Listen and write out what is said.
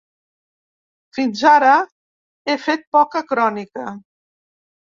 Fins ara, he fet poca crònica.